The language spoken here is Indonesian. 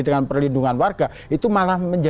dengan perlindungan warga itu malah